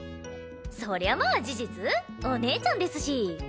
そりゃまあ事実お姉ちゃんですし。